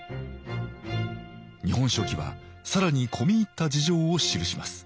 「日本書紀」は更に込み入った事情を記します。